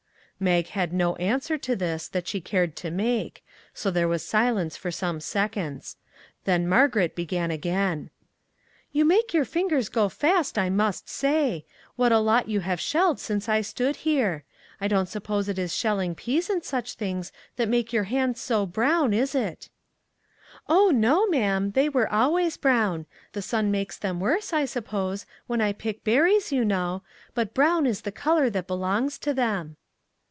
Mag had no answer to this that she cared to make, so there was silence for some seconds; then Margaret began again :" You make your ringers go fast, I must say ; what a lot you have shelled since I stood here ! I don't suppose it is shelling peas and such things that make your hands so brown, is it?" " Oh, no, ma'am ; they were always brown ; the sun makes them worse, I suppose, when I pick berries, you know ; but brown is the color that belongs to them."